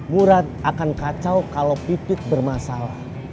murat akan kacau kalau pipit bermasalah